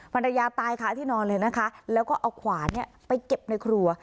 ภรรยาตายค่ะที่นอนเลยนะคะแล้วก็เอาขวานไปเก็บในครัว